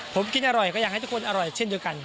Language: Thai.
ผมกินอร่อยก็อยากให้ทุกคนอร่อยเช่นเดียวกัน